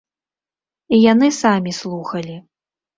І яны самі слухалі.